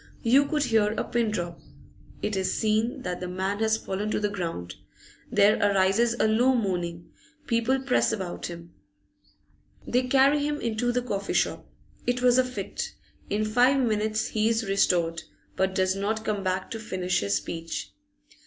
You could hear a pin drop. It is seen that the man has fallen to the ground; there arises a low moaning; people press about him. They carry him into the coffee shop. It was a fit. In five minutes he is restored, but does not come back to finish his speech.